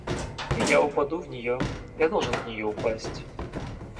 И я упаду в нее, я должен в нее упасть.